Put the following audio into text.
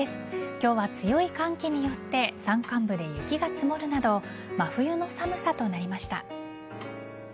今日は強い寒気によって山間部で雪が積もるなど真冬の寒さとなりました。